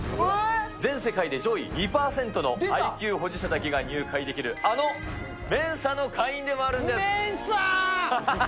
全世界で上位２％のＩＱ保持者だけが入会できるあのメンサの会員メンサ！